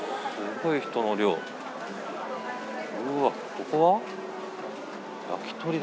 ここは？